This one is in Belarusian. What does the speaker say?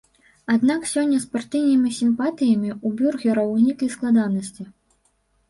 Аднак сёння з партыйнымі сімпатыямі ў бюргераў узніклі складанасці.